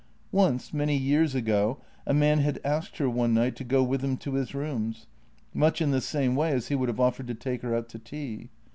Once, many years ago, a man had asked her one night to go with him to his rooms, much in the same way as he would have offered to take her out to tea.